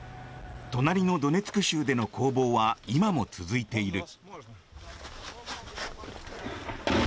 隣のドネツク州での攻防は今も続いている。